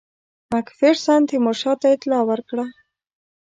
مک فیرسن تیمورشاه ته اطلاع ورکړه.